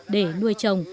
để nuôi trồng